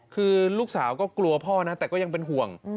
คือลูกสาวก็กลัวพ่อนะแต่ก็ยังเป็นห่วง